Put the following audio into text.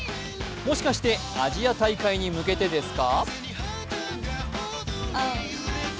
もしかしてアジア大会に向けてですか？